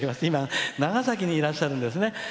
今、長崎にいらっしゃるんですね。